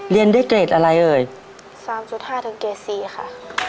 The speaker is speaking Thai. เรียนด้วยเกรดอะไรเอ่ยสามจุดห้าถึงเกรดสี่ค่ะ